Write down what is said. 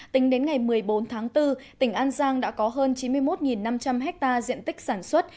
tính đến ngày một mươi bốn tháng bốn tỉnh an giang đã có hơn chín mươi một năm trăm linh ha diện tích sản xuất